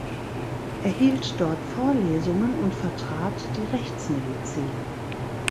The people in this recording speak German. Er hielt dort Vorlesungen und vertrat die Rechtsmedizin.